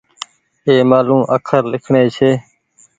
اي مآلون اکر لکڻي ڇي